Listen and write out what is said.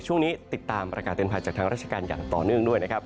ช่วงนี้ติดตามประกาศเตือนภัยจากทางราชการอย่างต่อเนื่องด้วยนะครับ